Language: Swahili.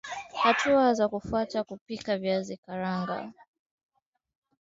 Hatua za kufuata kupika viazi vya karanga